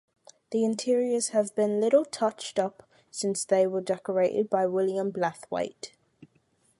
The interiors have been little touched up since they were decorated by William Blathwayt.